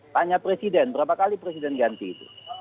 tanya presiden berapa kali presiden ganti itu